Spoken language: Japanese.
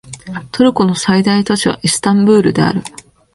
トルコの最大都市はイスタンブールである